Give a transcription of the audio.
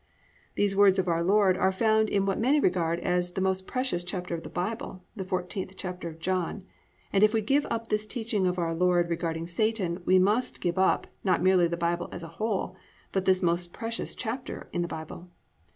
"+ These words of our Lord are found in what many regard as the most precious chapter in the Bible, the 14th chapter of John, and if we give up this teaching of our Lord regarding Satan we must give up, not merely the Bible as a whole, but this most precious chapter in the Bible.